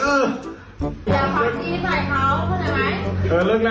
เดี๋ยวเขาชี้ใส่เขาเข้าใจไหม